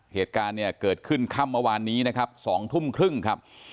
เหตุการณ์เนี่ยเกิดขึ้นค่ำเมื่อวานนี้นะครับ๒ทุ่มครึ่งครับ